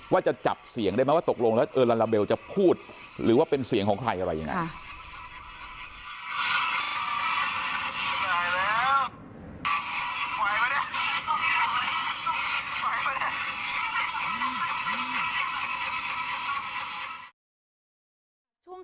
ว่าจะจับเสียงได้ไหมว่าตกลงแล้วลาลาเบลจะพูดหรือว่าเป็นเสียงของใครอะไรยังไง